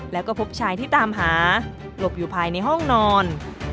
แล้วก็พบชายที่ตามหาหลบอยู่ภายในห้องนอน